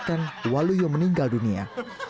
menyatakan waluyo meninggal dunia